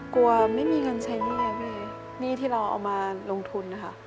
กลัวไม่มีเงินใช้หนี้พี่หนี้ที่เราเอามาลงทุนนะคะ